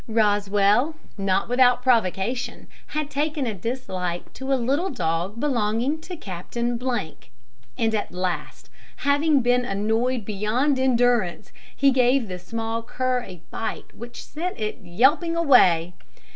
Rosswell, not without provocation, had taken a dislike to a little dog belonging to Captain ; and at last, having been annoyed beyond endurance, he gave the small cur a bite which sent it yelping away.